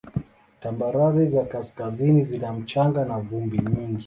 Tambarare za kaskazini zina mchanga na vumbi nyingi.